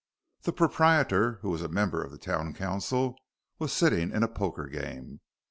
The proprietor, who was a member of the town council, was sitting in a poker game.